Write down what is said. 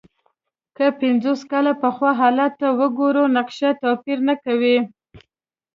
که پنځوس کاله پخوا حالت ته وګورو، نقشه توپیر نه کوي.